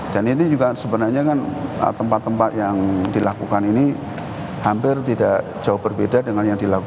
dan ini juga sebenarnya kan tempat tempat yang dilakukan ini hampir tidak jauh berbeda dengan yang dilakukan